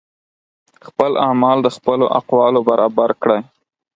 خپل اعمال د خپلو اقوالو برابر کړئ